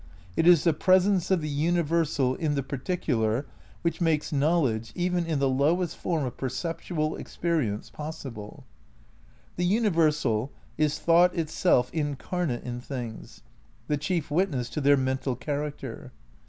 It is the presence of the universal in the particular which makes knowledge, even in the lowest form of perceptual experience, pos sible. The universal is thought itself incarnate in things,, the chief witness to their mental character.